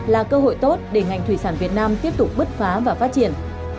là cơ hội tốt để ngành thủy sản việt nam tiếp tục bứt phá và phát triển